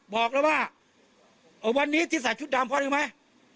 บอกแล้วว่าวันนี้ที่ใส่ชุดดำเพราะรู้ไหม